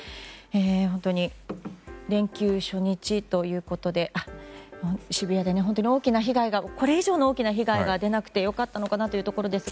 本当に連休初日ということで渋谷で本当にこれ以上の大きな被害が出なくて良かったのかなというところですが。